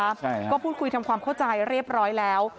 ใช่ก็พูดคุยทำความเข้าใจเรียบร้อยแล้ว